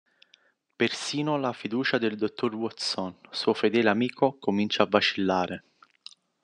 Persino la fiducia nel dottor Watson, suo fedele amico, comincia a vacillare.